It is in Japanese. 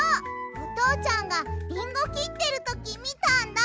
おとうちゃんがリンゴきってるときみたんだ！